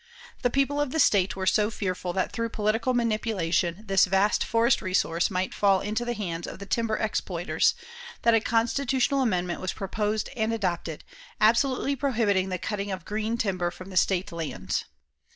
The people of the state were so fearful that through political manipulation this vast forest resource might fall into the hands of the timber exploiters, that a constitutional amendment was proposed and adopted, absolutely prohibiting the cutting of green timber from the state lands.